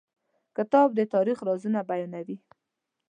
کتاب د تاریخ رازونه بیانوي.